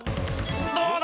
どうだ！？